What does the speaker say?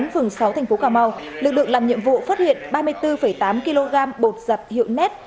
phường sáu thành phố cà mau lực lượng làm nhiệm vụ phát hiện ba mươi bốn tám kg bột giặt hiệu net